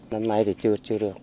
năm nay thì chưa được